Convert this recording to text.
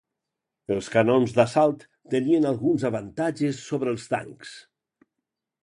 Els canons d'assalt tenien alguns avantatges sobre els tancs.